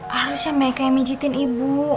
harusnya meka yang pijitin ibu